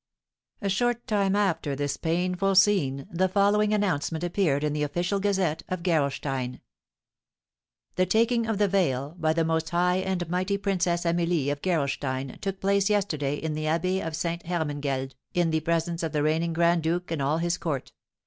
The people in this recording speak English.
A short time after this painful scene, the following announcement appeared in the Official Gazette of Gerolstein: "The taking of the veil by the most high and mighty Princess Amelie of Gerolstein took place yesterday in the Abbey of Ste. Hermangeld, in the presence of the reigning grand duke and all his court.